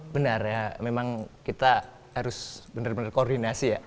benar ya memang kita harus benar benar koordinasi ya